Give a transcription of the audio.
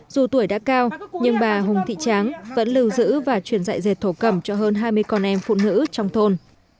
dù tuổi đã cao nhưng bà hùng thị tráng vẫn lưu giữ và truyền dạy dệt thổ cẩm cho hơn hai mươi con em phụ nữ trong thôn